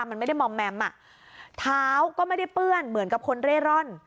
มันไม่ได้มอมแมมอ่ะเท้าก็ไม่ได้เปื้อนเหมือนกับคนเร่ร่อน